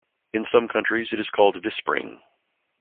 In some countries it is called Vispring.